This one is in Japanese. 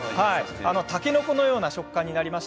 たけのこのような食感になります。